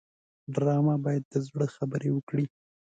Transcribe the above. ډرامه باید د زړه خبرې وکړي